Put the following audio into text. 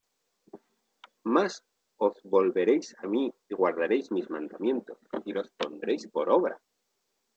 Mas os volveréis á mí, y guardaréis mis mandamientos, y los pondréis por obra.